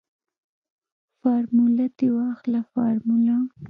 فارموله تې واخله فارموله.